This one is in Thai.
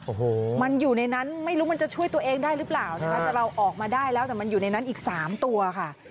โอ้โหมันอยู่ในนั้นไม่รู้มันจะช่วยตัวเองได้หรือเปล่านะคะแต่เราออกมาได้แล้วแต่มันอยู่ในนั้นอีกสามตัวค่ะ